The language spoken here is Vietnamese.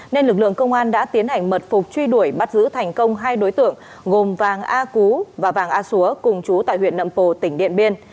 nên lực lượng công an đã tiến hành mật phục truy đuổi bắt giữ thành công hai đối tượng gồm vàng a cú và vàng a xúa cùng chú tại huyện nậm pồ tỉnh điện biên